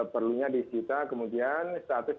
perlunya disita kemudian status